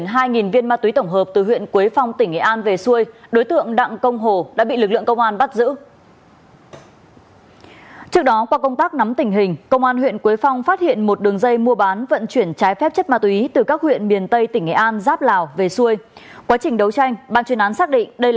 hãy đăng ký kênh để nhận thông tin nhất